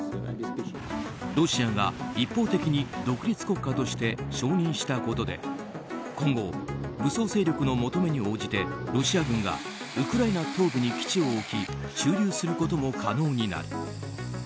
ロシアが一方的に独立国家として承認したことで今後、武装勢力の求めに応じてロシア軍がウクライナ東部に基地を置き駐留することも可能になる。